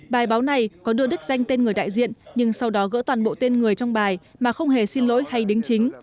bài báo này có đưa đích danh tên người đại diện nhưng sau đó gỡ toàn bộ tên người trong bài mà không hề xin lỗi hay đính chính